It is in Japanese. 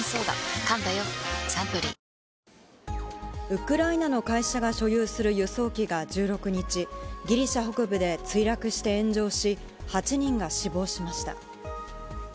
ウクライナの会社が所有する輸送機が１６日、ギリシャ北部で墜落して炎上し、８人が死亡しました。